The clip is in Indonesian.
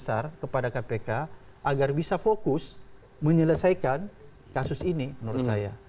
agar bisa fokus menyelesaikan kasus ini menurut saya